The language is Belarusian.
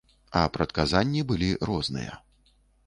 А прадказанні былі розныя.